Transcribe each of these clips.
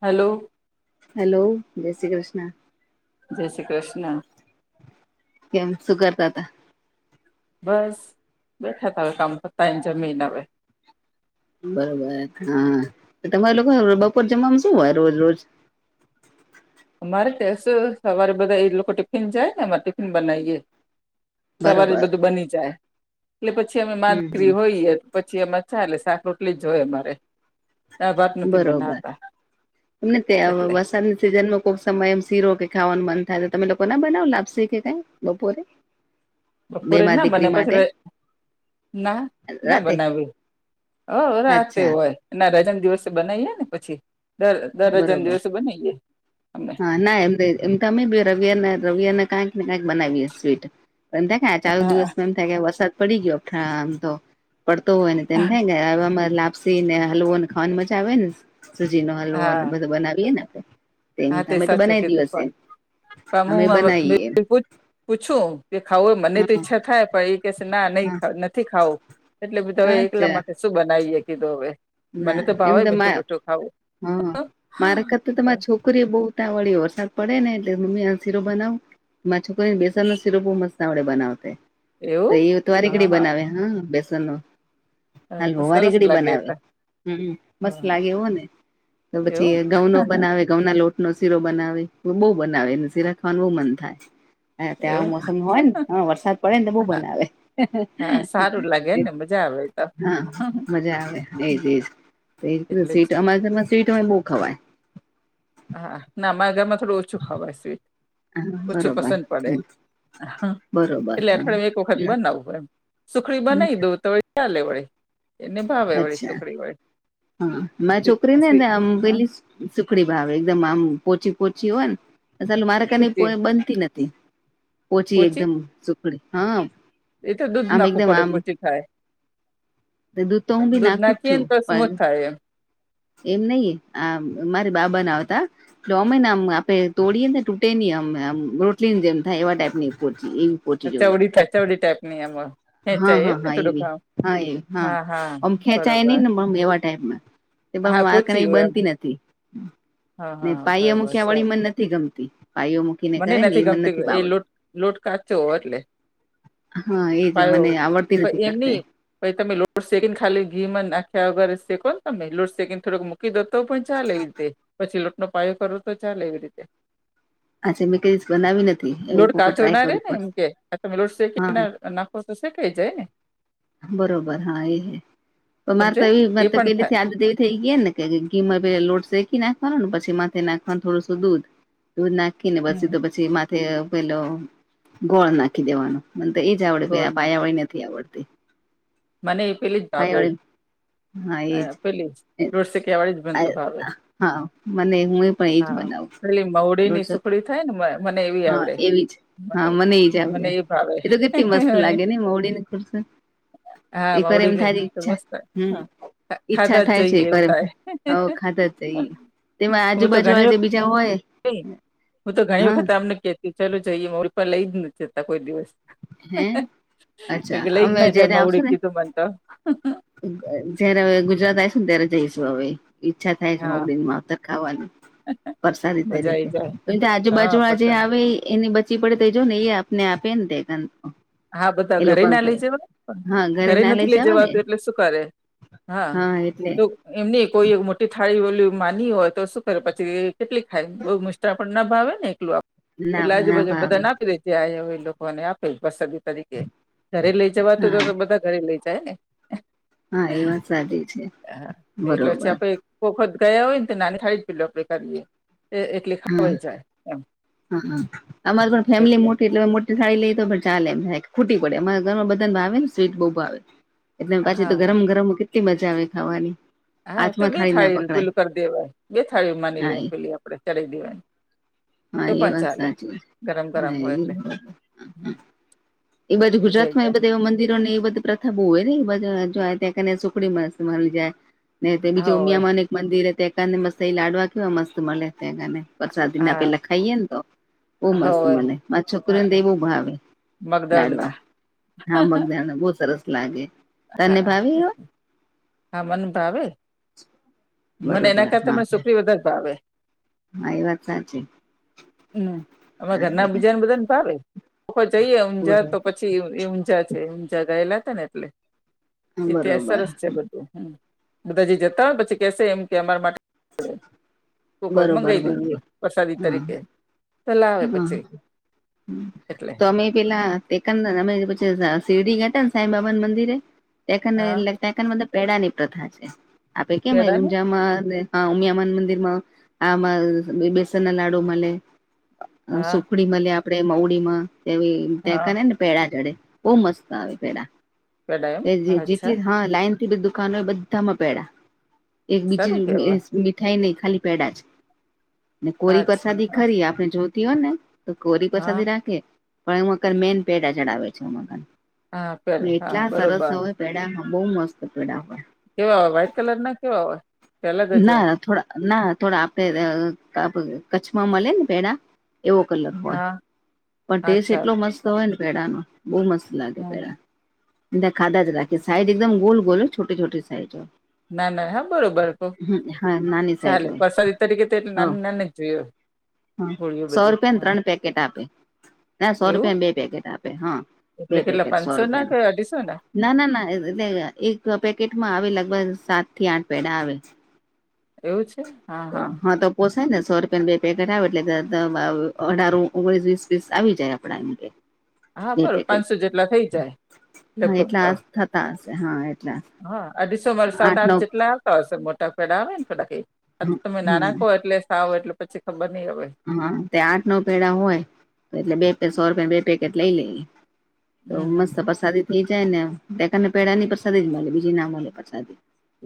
Hello hello જય શ્રી કૃષ્ણ જય શ્રી કૃષ્ણ કેમ શું કરતા હતાા બસ બેઠા તમે કામ પતાની જમીન હવે બરોબર હા તમારે લોકો બપોર જમવાનું શું હોય રોજ રોજ અમારે ત્યા સુ સવારે બધા એ લોકો ટિફિન જાય ને અમારે ટિફિન બનાવીએ સવારે જ બરોબર બધું બની જાય એટલે પછી અમે મા હમ હમ દીકરી હોઈએ પછી એમાં ચાલે એટલે શાક રોટલી જ જોય અમારે દાળ ભાત નથી બરોબર બનાવતા એમ ત્યાં એટલે વરસાદની સિઝનમાં કોક સમય એમ શીરો કે ખાવાનું મન થાય તમે લોકો ના બનાવો લાશે કે ક બપોરે બે બપોરે માં ના બને દીકરી માટે પછી ના ના રાતે બનાવ્યું હ રાતે અચ્છા હોય ના રજાના દિવસે બનાવીએ ને પછી દર દર હજાના બરોબર દિવસે બનાવીએ અમે હા ના એમ એમ ત અમેી રવિયાને રવિયાને કંઈક ને કઈક બનાવીએ સ્વીટ એમ થ આ ચાલુ હા દિવસમાં એમ થાય વરસાદ પડી ગયો આમ તો પડતો હોય ને તેમ થાય ગ હવામાં લાપસી ને હલવો ને ખાવાની મજા આવે ને સુજી નો હલવો ને હા બધું બનાવીએે ને આપણે તેમ હા તે અમે તો સાચું બનાવી દી કીધું પણ હશે પણ અમે હું બનાવીએ બિલકુલ પૂછું કે ખાવું મને તો ઈચ્છા હા થાય પણ કે ના નહી નથી ખાવું એટલે બધા હવે હા એકલા અચ્છા માટે શું બનાવીએ કીધું હવે મને ના એમ ભાવે તો મીઠું મા હ મીઠું ખાવું મારા કર તે છોકરી છોકરી બહુ ઉતાવળી હોયે વરસાદ પડે એટલેમમ્મી આ સીરો બનાવું એમાં છોકરીને બેસનનો સીરો બહુ મસ્ત આવડે બનાવતા તો એવું એ તો હા વારીગડી બનાવે હા બેસન નું તો હાલવો સરસ વારીગડી લાગે ત બનાવે હમ્મ મસ્ત હા લાગે એવું ને તો એવું પછી ઘઉનો બનાવે ઘઉના લોટ નો શીરો બનાવે બહુ બનાવેને શીરા ખાવાનું બહુ મન થાય હ ત્યાં એવું મોસમ હોય હા ને હ વરસાદ પડે ને તો બહ બનાવે હા સારું લાગે ને મજા આવે તો હા મજા આવે ઈજ ઈજ એટલે જ સ્વીટ અમા ઘર મા સ્વીટ બહુ ખવાય હા ના અમારા ઘરમાં થોડું ઓછું ખવાય સ્વીટ હા ઓછું બરોબર પસંદ પડે બરોબર એટલે હા અઠવાડિયામાં એક વખત બનાવું એમ સુખડી બનાવી દઉં તો ચાલે વળી એને ભાવે વળી અચ્છા સુખડી વળી હા મારી છોકરીને સી ને હા પેલી સુખડી ભાવે એકદમ આમ પોચી પોચી હોય ને ચાલ મારે પોચી બનતી નથી પોચી એકદમ સુખડી હા એ તો દૂધ આમ નાખવું એકદમ પડે આમ પોછી થાય. દૂધ તો હું બી દૂધ નાખું જ નાખીએ છું તો પણ સ્મૂથ થાય એમ. એમ નહિ, આ મારી બા બનાવતા. તોઅમે ને આમ આપડે તોડીએ ને તૂટે નહી, આમ આમ રોટલીની જેમ થાય એવા ટાઈપ ની પોચી, એવી પચી જોવે, ચવડી થાય ચવડી ટાઈપ ની એમ હા ખેંચાય એમ હા ને હા થોડુંક એવી, આમ હા એવ હા, આમ ખેંચાય નહી નેમ એવા ટાઈપમાં. તેબ હા મારકને પોચી એ હોય એમ બનતી નથી, હા ને હા પાઈએ બરોબર મુખ્યા સર વળી મને ન થી ગમતી પાયુ મુ મને નથી ગમતી, એ લોટ લોટ કાચો અટલે. હા એજ, મને આવડતી નથી કરતે. પઇ તમે લોટ સેકીન ખાલી ઘી મા નાખ્યા વગર શેકોન તમે લોટ સેકિંન થોડક મુ મૂકી દો તો પણ ચાલે એ રીતે, પછી લોટ નો પાયો કરોતો ચાલે એવી રીતે. આજે મે કેજ બનાવી નથી એ એક લોટ વખત કાચો ટ્રાય ના રે કરવી ને એમ પડશે કે, આ તમે લોટ શેકીને હા નાખો તો શેકાઈ જાયને. બરોબર હા એહે, પણ મારે સમજે તો એવી એ મારતો પણ તે રીતે થાય આદત એ થઈ ગયાને કે કે ઘી મા પેયા લોટ શેકી નાખવાનુંને, પછી માથે નાખવાનું થોડુંશુ દૂધ. દૂધ નાખીને પસી હમ તો પછી માથે પેલો ગોળ નાખી દેવાનો. મને તો એજ આવડે, ગોળ તોઆ નાખો પાયાવાળી નથી આવડતી. મને એ પેલીજ ભાવે પાયાવાળી હા એજ અ પેલીજ, લોટ શેક્યા વાલીજ મનતો ભાવે. હા મને હું એ પણ એજ બનાવું પેલી મવડી ની દોઢસો સુખડી થાયને મ મને એવી હા આવડે એવીજ, હા મને એજ આવડે, મને ભાવે એ તો કેટલી મસ્ત લાગે ને, મહુડીની ખૂલશે, હા એક વાર મવડી એમ ગઈ થારી તો ઈચ્છા મસ્ત હમ્મ હા ખા- ખાધા ઈચ્છા જ થાય છે જઈએ એક એમ વાર, થાય હો ખાધાજ જઈએ. તેવા હું તો આજુબાજુ ઘણી વાળાજે વખત બીજા હોય. હું તો ઘણી હા વખત આમને કેતી, ચાલુ જઈએ મહુડી, પણ લઈજ નથી જતા કોઈ દિવસ. હે અચ્છા એતો લઈજ અમે ના જાય મઉડી કીધું મન તો. અ જયારે હવે ગુજરાત આઈસુને, ત્યારે જઈશું હવે. ઈચ્છા થાય છે હા મોવડી માવતર ખાવાની. પરસાદી મજા આઈ તરીકે, જાય કોઈતો હા આજુબાજુ આ જે પસંદ આવે ઈ એની બધ ચી પડે તેજોન ઈ આપને આપે ન તે હા, બધા એ ઘરે લોકો ના લઇ જવાય પણ, હા ઘરે ના નથી લઈ લઇ જવાય ને જવાતું એટલે સુકરે? હા એટલે એમ નહી, કોઈ એવુ મોટી થાળી ઓલી માની હોય તો શું કરે પછી એ કેટલીક ખાય, બહુ મસ્ત પણ ના ભાવે ને એટલું આપ, એટલે લાભ ના આજુબાજુ ભાવે બધાને આપી દે. તે આહે એ લોકોને આપે, પ્રસાદી તરીકે, ઘરે લઈ જવા તું હા તો, તો બધા ઘરે લઈ જાય ને. [inaudible] હા એ વાત સાચી છે, બરોબર. કોખત ગયા હોય ને, તો નાની થાળીજ પેલું આપડે કરીએ, એ એટલે હા હ હ, અમારી પણ ફેમિલી મોટી, એટલે હ મોટી ટી થાડી લઈએ તો પણ ચાલે હેક, ખૂટી પડે અમારા ઘરમાં બધનાવે ને સ્વીટ બહુ ભાવે. એટલે પાછી તો હા ગરમ ગરમ કેટલી મજા આવે ખાવાની. હા તો હાથમાં બે ના થાળી પકડાય પેલું કર દેવાય, બે થાળી માની લે હા એમ એ પેલી આપડે ચલા દેવાય હા તો એ પણ વાત ચાલે, સાચી ગરમ ગરમ હા હોય એટલે. એ હ એ બાજુ ગુજરાતમાં એ બધા એવા મંદિર ને એ બધુ પ્ર થા બહુ હોય ને, જો ત્યાં કને સુખડી મસ્ત મળી જાય, ને પેલીજો હોવે ઉમિયામાં ને મંદિરે તે કને મસ્ત એ લાડવા કેવા મસ્ત મલે એને પરસાદી ના હા પેલા ખાઈએ ને તો, બહુ મસ્ત હોવે મલે, મારી છોકરીને તો હા એ બવ ભાવે. લાડવા, મગદળના હા મગ ઘણા બહુ સરસ લાગે. તને હા ભાવે એવા હા મને ભાવે. મને એના બરોબર કરતા હા. મને સુખરી વધારે ભાવે હા એ વાત સાચી હમ્મ અમે હા ઘરના બેટા બીજાને બધાને ભાવે. ઓખો જઈએ ઊંઝા બરોબર તો પછી ઊંઝા છે ઊંઝા ગયેલા હતા ને એટલે ઇતિાસ બરોબર સરસ છે બધું હ બધાજી જતા હોય પછી કેસે એમ કે અમારા માટે કોક [inaudible] વાર બરોબર મંગાઈ બરોબર દઈએ પ્રસાદી હા તરીકે તો લાવે હા. પછી હમ્મ એટલે તમે પેલા. તે શરડી ઘટ સાઈ બાબા મંદિર તે હા ડ પેડા ની પ્રથા છે આપે કેમય પેડા ને ઊંઝામાં હ ઉમિયામાન મંદિર માં આમાં બેસન ના લાડુમાં લે. હા સુખડી મળે આપડે મવડી માં તેવી હા કા ને ને પેડા ચડે બહ મસ્ત આવે પેડા પેડા એમ અચ્છા જેટલી હા લાઈન બધ દુકાનો એ બધામાં પેડા એક બીજી સારું કેવાય મીઠાઈ નહી ખાલી પેડા જ ને કોરી અચ્છા પ્રસાદી હા ખરી આપણે જોતી હોય ને. કોરી હા પાછથી રાખે પણ હ મગર મેન પેટ ચડાવ છે હા મગર પેલા હા એટલા સરસ બરોબર હોય પેડા બહુ મસ્ત પેડા હોય. કેવા હોય વ્હાઈટ કલર ના કેવા હોય. કે અલગ જ હોય ના થોડા ના થોડા આપણે કચ્છમાં મળે ને પેડા એવો કલર હોય હા પણ ટેસ્ટ અચ્છા એટલો મસ્ત હોય ને પેડાનો બહુ મસ્ત. લાગે હમ પે હમ એ ખાધા જ રાખે સાજ એકદમ ગોલ ગોલ છોટટી છટી સાઇજ હો. ના ના હા બરોબર. હા નાની સાઈઝ ચાલે હોય. વરસાદી તરીકે તો એટલે નાન નાન જોયયો. હા સો રૂપિયા ને ત્રણ પેકેટ આપે. ના સો એવું રૂપિયાને બે પેકેટ આપે હા બે એટલે કેટલા પેકેટ સો પાંચસો ના કે રૂપિયાનું. અઢીસો ના ના ના એટલે એક પેકેટમાં આવે લગભગ સાત થી આઠ પેડા આવે. એવું છે. તો હા તો. પોસાય ને સો રૂપિયાને બે પેકેટ આવે એટલે અઢાર ઓગણીસ વીસ પીસ આવી જાય આપણા. [inaudible] હા બરો પાંચસો જેટલા થઈ જાય હા લેપટોપ એટલા તો. થતા હશે હા એટલે. હા આસો મારે સાત આઠ જેટલા આવતા હોયશે મોટા પેડા આવે ને થોડા આ તો તમે ના ના કહો હમ એટલે સાવ એટલે પછી ખબર નહી આવે હા તે આઠ નવ પેડા હોય તો એટલે બે સો રૂપિયાને બે પેકેટ લઈ લઈ તો હમ હમ મસ્ત પ્રસાદી થઇ જાય નેક ને પેડાની પસાદી જ મળે બીજી ના મળે પ્રસાદી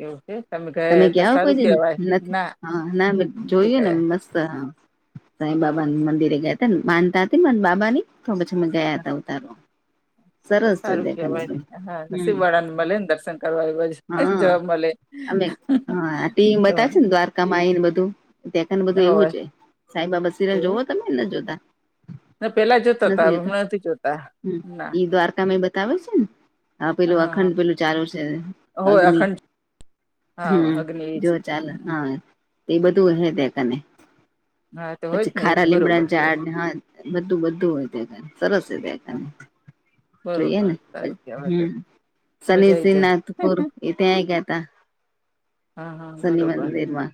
એવું છે ગયા તમે એ તો ગાવ સારું કોઈ કેવાય નથી ના હા ના નથી જોયું ને ગયા મસ્ત હ? સાઈ હા બાબા મંદિરે ગયા હતા માનતા હતી બાબા ની તો પછી મેં ગયા હતા હા ઉતારો. તો સારું કવાય ને હા હમ. શિવવાળા ને મળલે ને દર્શન કરવા આવ હા જોવા મળલે. કમાઈ ને બધું ને બધું એવું છે સાઈબબા સિરેલ એવું જોવો તમેને જોતા ને પેલા જોતા તા હવે નથીતા હમણાં નથી જોતા ના ઈ દ્વારકામાં બતાવે છે ને હા પેલું અખંડ પેલું ચાલુ છે હોય અગ્નિ. અખંડ હા હમ્મ અગ્નિ એ જ જો ચાલ હમ, હમ. હા એ બધું હે તને. હા તો હોય જ પછી ને એ તો ખારા લીમડા બરોબર છે ચાડ હા બધું બધું હોય ત સરસ કને [inaudible] જોઈએ બરોબર ને સારું કેવાય હમ શનિ મજા આઈ જાય શ્રીનાથપુર એ ત્યાંય ગયા હતા. હા હા બરોબર. માં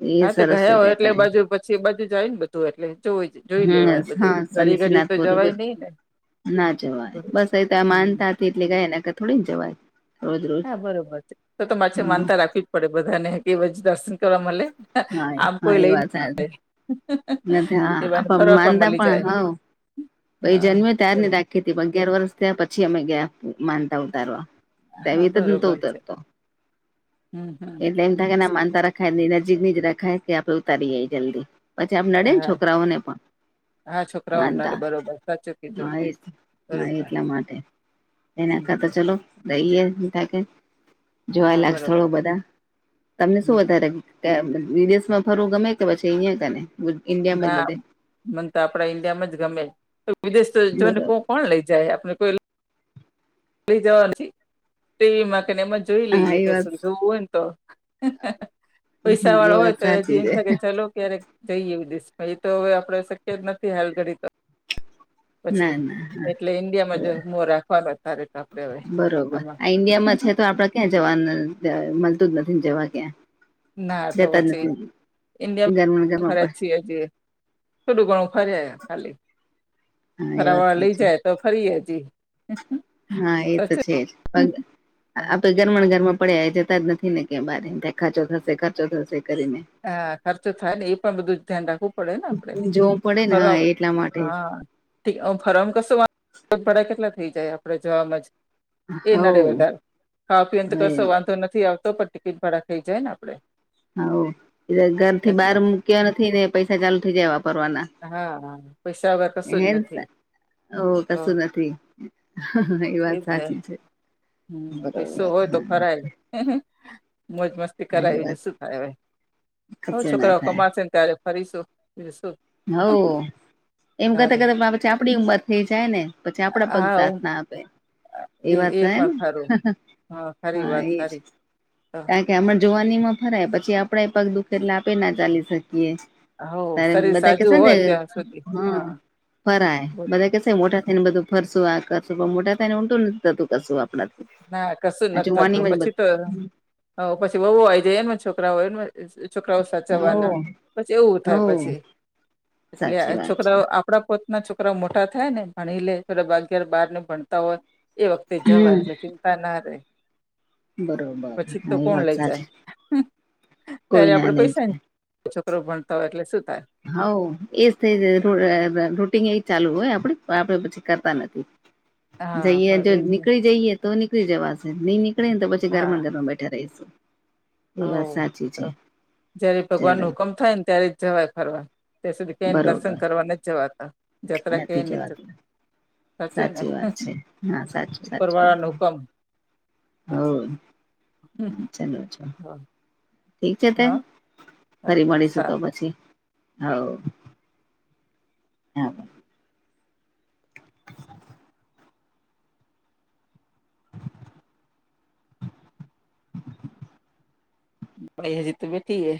એ હા તો સરસ ગયા છે હોય ત્યાં એટલે કરીને બાજુ પછી એ બાજુ જાય ને બધું એટલે જોવું જઈએ. જોઈ લેવાય હમ બધું હા ઘડી ઘડી તો શનિસિનાથપુર જવાય નહી. ના જવાય બસ અ તો આ હમ માનતા હતી એટલે ગય ને તો થોડીને જવાય. રોજ રોજ હા બરોબર છે તો તો માછ હા માનતા રાખવી જ પડે બધાને કે દર્શન કરવા મળે હા આમ હા કોય એ લય ના વાત જાય. નથી હા એ આપ બાને ફરવા પણ મળી જાય. પછી હા જન્મો ત્યાર બરો ની રાખી તી પણ અગિયાર વરસ નો થયો પછી અમે ગયા માનતા ઉતારવા. હા તેવી તો જ ન તો બરોબર છે ઉતરતો હમ હમ એટલે એમ થાય કે ના માનતા રખાય નજીક ની જ રખાય કે આપણે ઉતારયે જલ્દી. પછી આમ નડે ને હા છોકરાઓને પણ માનતા. તો [unintelligible] હા એ જ હા એટલા માટે એને હમ હમ કરતા ચલો. રહીએ કે જોવા હા લાયક સથળો બરોબર બધા તમને શું હમ વધારે ત્યાં વિદેશમાં ફરુવુ ગમે કે પછી અહિયા ગમે. ના મને તો આપણા ઈન્ડિયામાં જ ગમે તો વિદેશ તો જો ને કોક બરોબર કોણ લઈ જાય આપને કોઈ લય જવા નથી ટીવી માં કેને એમ જ જોઈ હા લઈએ એ કે વાત શું જોવું હોય ને તો પૈસા હ એ વાડા વાત હોય તો સાચી હજી એમ છે થાય કે ચલો ક્યારેક જઈ વિદેશ એ તો હવે આપડે શક્ય જ નથી હાલ ઘડી તો પછી ના ના એટલે ઈન્ડિયામાં જ મોહ રાખવાનો અત્યારે તો આપડે હવે બરોબર. આમાં. આ ઈન્ડિયામાં છે તો આપડે ક્યાં જવાનું અ મળતું જ નથી જવા ક્યાં. ના તો જતા જ પછી નથી ઘરમાં ને ઇન્ડિયામાં ઘરમાં પણ ખર્ચયે છે. થોડું ઘણું ફરયે ખાલી. હા એ વાત લય સાચી જાય તો ફરયે હજી. હા એ તો સાચું. છે જ પણ આપે ઘર માં ને ઘર માં પડ્યા એ જતા જ નથી ને ક્યા બાર ત્યાં ખર્ચો થશે ખર્ચો થશે કરીને. હા ખર્ચો થાય ને ઈ પણ બધું જ ધ્યાન રાખવું પડે ને આપડે. જોવું પડે ને હા ફરવા માં એટલા માટે હા. ઠીક હા ફરવા માં કશું ભાડા કેટલા થઈ જાય આપણે જવામાં જ એ હવ નડે વધારે ખાવા પીવા માં તો કશો વાંધો નથી આવતો પણ [unintelligible] ભાડા થઇ જાય ને આપડે. હા ઓ ઘર થી એટલે બહાર મૂક્યા નથી ને પૈસા ચાલુ થઇ જાય વાપરવાના. હા હા પૈસા વગર કશું હે જ નથી. ઓ તો કશું નથી એ વાત સાચી છે. હમમ બરોબર પૈસો હોય તો હા ફરાય મોજ મસ્તી હા કરાય એ બીજું વાત શું થાય હવે. હો કશું ના છોકરા ઓ થાય કમાશે ને ત્યારે ફરીશું બીજુ શું. હોવ એમ કરતા તારે કરતા પછી આપડી ઉંમર થઈ જાય ને પછી આપડા પગ હા સાથ ઉમ ના આપ આપે એ વાત તો એમ ખરી હા વાત એજ. તારી તો કારણ કે અમણા જુવાની માં ફરાય પછી આપડા પગ દુઃખે એટલે આપડે ના ચાલી શકીએ. હોવ તારે શરીર બધા સાથ હા ફરાય બોલ. બધા કેય મોટા થઈ ને બધું ફરસું આ કરશું પર મોટા થાય ને ઊલટું નથી થતું કશું આપણા થી ના કશું નથી થતું પછી તો પછી વવ આવી જાય એ છોકરા હોય એ છોકરાઓ હો સાચવવાના પછી એવું હો થાય પછી એટલે સાચી વાત છે છોકરાઓ આપડા પોતના છોકરાઓ મોટા થાય ને ભણી લે પલો બાગાર બાર નું ભણતા હોય એ વખતે હમ જવાય એટલે ચિંતા ના રહેે. બરોબર પછી તો હા એ કોણ વાત લઈ જાય સાચી ત્યારે કોઈ ના આપડે લઈ પૈસા જાય કે છોકરો ભણતા હોય એટલે શું થાય. હઉ એજ થઈ જ રૂટીન એજ ચાલુ હોય આપડે આપડે પછી કરતા નથી. જઈએ હા જો એજ ને નીકળી જઈએ તો નીકળી જવાસે ની નીકળ્યે ને તો પછી ઘર માં હા ને ઘર માં બેઠા રહીશું. એ વાત સાચી છે જયારે ભગવાન ન ચલો હુકમ થાય ને ત્યારે જ જવાય ફરવા ત્યાં સુધી કઈને બરોબર દર્શન કરવા નથી જવાતા જાત્રા કય નથી જતા સાચો ને સાચી વાત છે હા સાચું ઉપર વાળાનું હુકમ હા, ચાલો છે. હા ઠીક છે તે હા ફરી મળીશું તો સારું પછી હવે હા ભાઈ હજી તો બેઠી